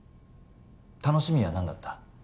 楽しみは何だった？